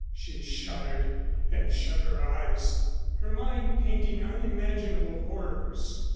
She shuddered and shut her eyes, her mind painting unimaginable horrors.